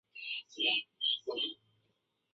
祖籍浙江宁波鄞县。